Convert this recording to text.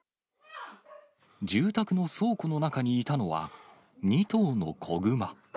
住宅の倉庫の中にいたのは、２頭の子熊。